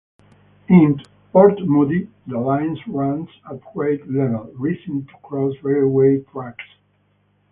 In Port Moody, the line runs at grade level, rising to cross railway tracks.